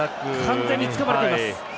完全につかまれています。